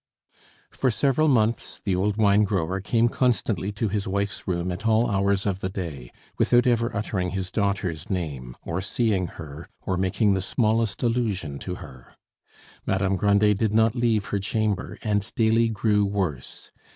XI For several months the old wine grower came constantly to his wife's room at all hours of the day, without ever uttering his daughter's name, or seeing her, or making the smallest allusion to her. Madame Grandet did not leave her chamber, and daily grew worse.